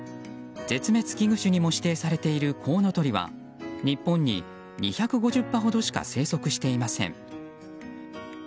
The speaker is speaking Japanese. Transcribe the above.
絶滅危惧種にも指定されているコウノトリは日本に２５０羽ほどしか生息していません。